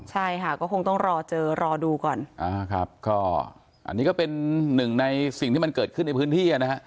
ใช่ค่ะก็คงต้องรอเจอรอดูก่อนอ่าครับก็อันนี้ก็เป็นหนึ่งในสิ่งที่มันเกิดขึ้นในพื้นที่อ่ะนะฮะ